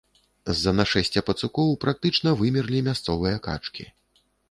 З-за нашэсця пацукоў практычна вымерлі мясцовыя качкі.